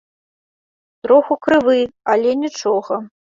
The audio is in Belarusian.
Троху крывы, але нічога.